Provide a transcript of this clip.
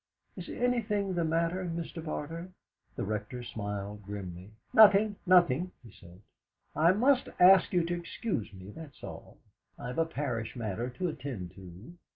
"Is anything the matter, Mr. Barter?" The Rector smiled grimly. "Nothing, nothing," he said. "I must ask you to excuse me, that's all. I've a parish matter to attend to."